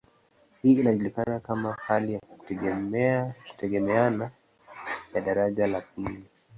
Hii inajulikana kama hali ya kutegemeana ya daraja la pili.